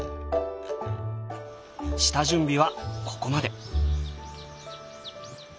下準備はここまで。